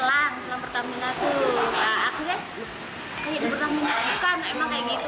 aku ya kayak pertamina bukan emang kayak gitu